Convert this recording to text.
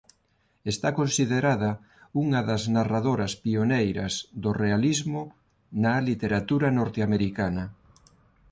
Está considerada unha das narradoras pioneiras do realismo na literatura norteamericana.